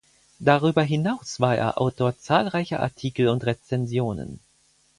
Darüber hinaus war er Autor zahlreicher Artikel und Rezensionen.